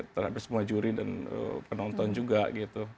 terhadap semua juri dan penonton juga gitu